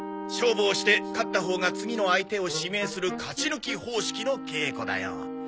勝負をして勝ったほうが次の相手を指名する勝ち抜き方式の稽古だよ。